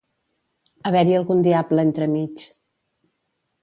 Haver-hi algun diable entremig.